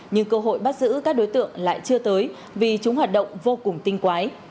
nhưng cơ hội bắt giữ các đối tượng lại chưa tới vì chúng hoạt động vô cùng tinh quái